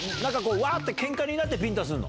わってケンカになってビンタすんの？